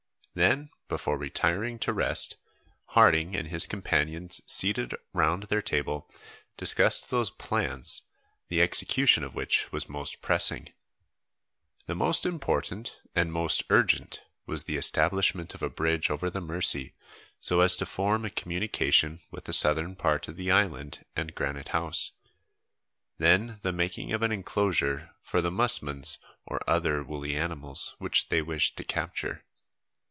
Then, before retiring to rest, Harding and his companions seated round their table, discussed those plans, the execution of which was most pressing. The most important and most urgent was the establishment of a bridge over the Mercy, so as to form a communication with the southern part of the island and Granite House; then the making of an enclosure for the musmons or other woolly animals which they wished to capture.